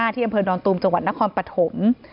ที่อำเภอดอนตูมจังหวัดนครปฐม